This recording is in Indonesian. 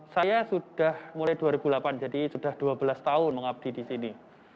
saya sudah mulai dua ribu delapan jadi sudah dua belas tahun mengabdi di sini